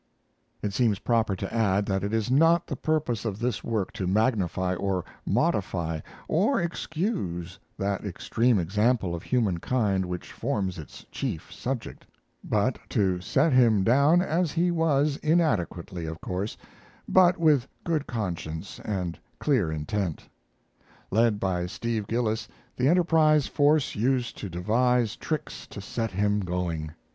It seems proper to add that it is not the purpose of this work to magnify or modify or excuse that extreme example of humankind which forms its chief subject; but to set him down as he was inadequately, of course, but with good conscience and clear intent. Led by Steve Gillis, the Enterprise force used to devise tricks to set him going.